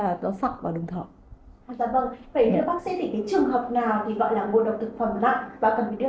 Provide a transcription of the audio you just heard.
dạ vâng vậy nếu bác xếp định cái trường hợp nào thì gọi là ngộ độc thực phẩm nào